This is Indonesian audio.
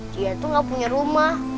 dia tuh gak punya rumah